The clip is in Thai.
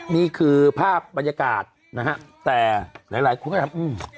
นี่คือภาพบรรยากาศนะฮะแต่หลายครูก็ทำ